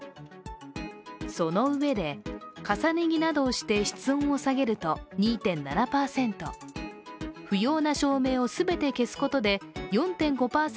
そのうえで重ね着などをして室温を下げると２．７％、不要な照明を全て消すことで４．５％